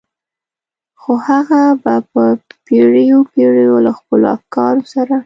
خو هغه به په پېړيو پېړيو له خپلو افکارو سره.